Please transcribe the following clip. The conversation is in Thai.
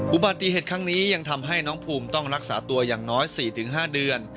อุบัติเหตุครั้งนี้ยังทำให้น้องภูมิต้องรักษาตัวอย่างน้อย๔๕เดือน